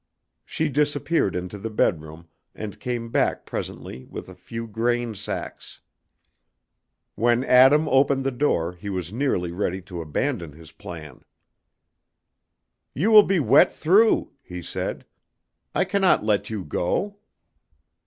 She disappeared into the bedroom and came back presently with a few grain sacks. When Adam opened the door he was nearly ready to abandon his plan. "You will be wet through," he said; "I cannot let you go."